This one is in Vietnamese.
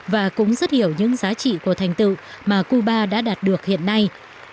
và cũng rất hiểu những giá trị của thành tựu mà cuba đã đạt được hiện nay